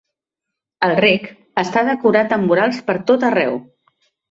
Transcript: El Rec està decorat amb murals per tot arreu.